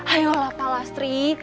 ayolah pak lastri